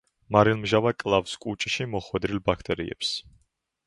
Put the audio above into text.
მარილმჟავა კლავს კუჭში მოხვედრილ ბაქტერიებს.